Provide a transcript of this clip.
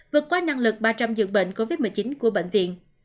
vượt qua năng lực ba trăm linh giường bệnh covid một mươi chín của bệnh viện